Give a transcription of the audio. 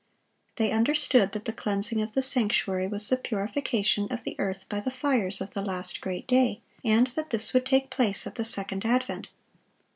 They understood that the cleansing of the sanctuary was the purification of the earth by the fires of the last great day, and that this would take place at the second advent.